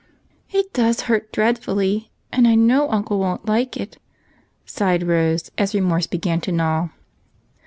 " It does hurt dreadfully, and I know uncle won't like it," sighed Rose, as remorse began to gnaw.